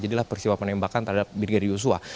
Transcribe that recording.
jadilah peristiwa penembakan terhadap brigadir yosua